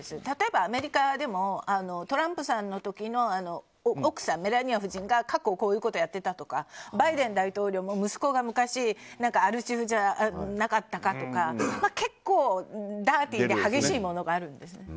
例えば、アメリカでもトランプさんの時の奥さんメラニア夫人が過去こういうことをやってたとかバイデン大統領も息子が昔アル中じゃなかったかとか結構、ダーティーで激しいものがあるんです。